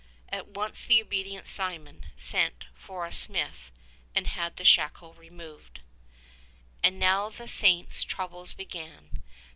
At once the obedient Simeon sent for a smith and had the shackle removed. And now the Saint's troubles began.